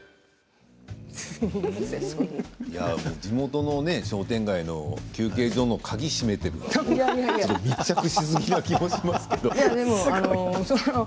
地元の商店街の休憩所の鍵を閉めているのは密着しすぎのような気がしますけれども。